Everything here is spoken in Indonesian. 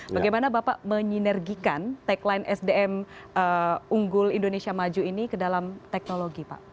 bagaimana bapak menyinergikan tagline sdm unggul indonesia maju ini ke dalam teknologi pak